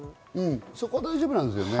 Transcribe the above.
そこは大丈夫なんですよね？